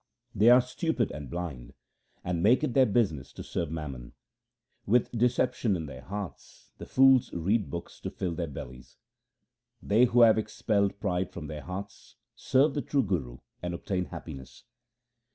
They are stupid and bund, and make it their business to serve mammon. With deception in their hearts the fools read books to fill their bellies. They who have expelled pride from their hearts, serve the true Guru and obtain happiness.